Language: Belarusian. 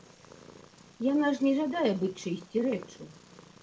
Яна ж не жадае быць чыйсьці рэччу.